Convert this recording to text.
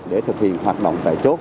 để thực hiện hoạt động tại chốt